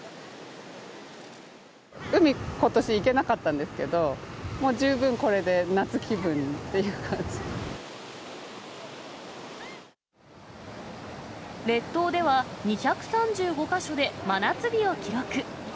海、ことし行けなかったんですけど、もう十分、これで夏気分っていう列島では２３５か所で真夏日を記録。